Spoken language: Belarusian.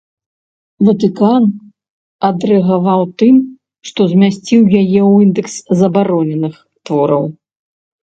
Ватыкан адрэагаваў тым, што змясціў яе ў індэкс забароненых твораў.